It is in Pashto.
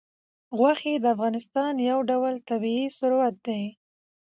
غوښې د افغانستان یو ډول طبعي ثروت دی.